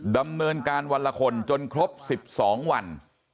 ดำเนินการวันละคนจนครบ๑๒วัน